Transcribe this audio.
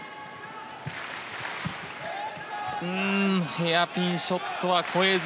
ヘアピンショットは越えず。